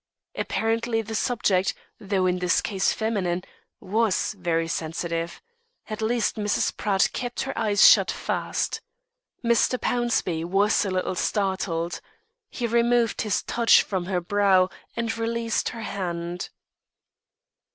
Apparently the subject, though in this case feminine, was very sensitive. At least Mrs. Pratt kept her eyes shut fast. Mr. Pownceby was a little startled. He removed his touch from her brow and released her hand.